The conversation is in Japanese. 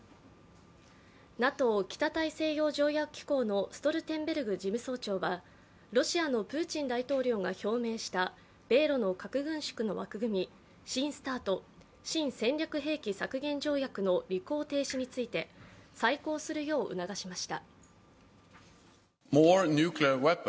ＮＡＴＯ＝北大西洋条約機構のストルテンベルグ事務総長はロシアのプーチン大統領が表明した、米ロの核軍縮の枠組み、新ＳＴＡＲＴ＝新戦略兵器削減条約の履行停止について、再考するよう促しました。